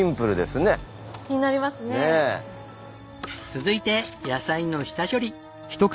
続いて野菜の下処理。